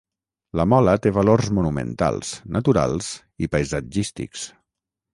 La Mola té valors monumentals, naturals i paisatgístics.